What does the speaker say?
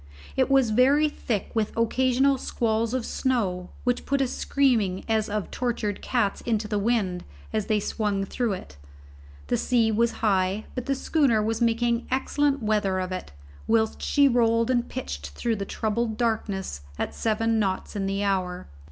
It was very thick with occasional squalls of snow, which put a screaming as of tortured cats into the wind as they swung through it. The sea was high, but the schooner was making excellent weather of it, whilst she rolled and pitched through the troubled darkness at seven knots in the hour.